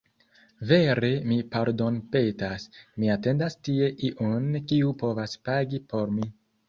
Vere, mi pardonpetas. Mi atendas tie iun kiu povas pagi por mi